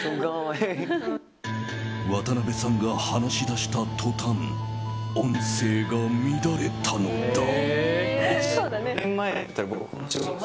渡邊さんが話し出した途端音声が乱れたのだ。